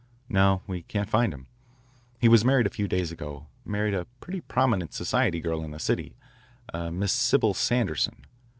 "No, we can't find him. He was married a few days ago, married a pretty prominent society girl in the city, Miss Sibyl Sanderson.